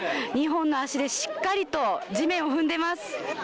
２本の足でしっかりと地面を踏んでます。